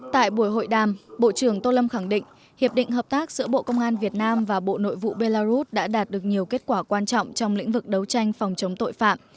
tại buổi hội đàm bộ trưởng tô lâm khẳng định hiệp định hợp tác giữa bộ công an việt nam và bộ nội vụ belarus đã đạt được nhiều kết quả quan trọng trong lĩnh vực đấu tranh phòng chống tội phạm